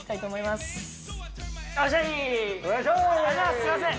すみません。